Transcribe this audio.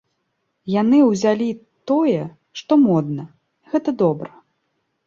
Яны ўзялі тое, што модна, гэта добра.